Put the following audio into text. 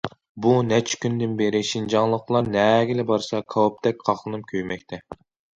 بۇ نەچچە كۈندىن بېرى، شىنجاڭلىقلار نەگىلا بارسا، كاۋاپتەك قاقلىنىپ كۆيمەكتە.